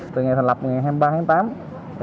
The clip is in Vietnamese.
từ ngày thành lập ngày hai mươi ba tháng tám